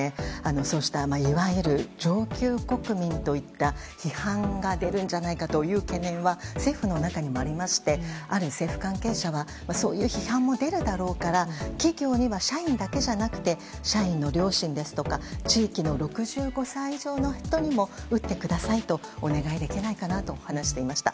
そうしたいわゆる上級国民といった批判が出るんじゃないかという懸念は政府の中にもありましてある政府関係者はそういう批判も出るだろうから企業には社員だけじゃなくて社員の両親ですとか地域の６５歳以上の人にも打ってくださいとお願いできないかなと話していました。